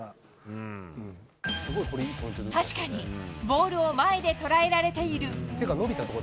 確かに、ボールを前で捉えられている。